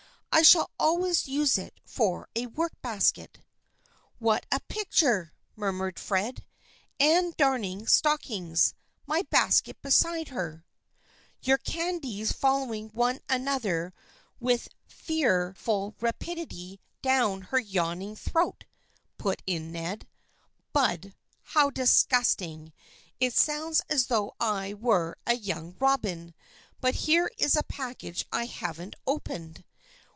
I shall always use it for a work basket." " What a picture !" murmured Fred. " Anne darning stockings, my basket beside her "" Your candies following one another with fear 188 THE FRIENDSHIP OF ANNE ful rapidity down her yawning throat," put in Ned. " Bud ! How disgusting. It sounds as though I were a young robin. But here is a package I haven't opened.